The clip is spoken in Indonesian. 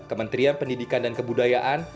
kementerian pendidikan dan kebudayaan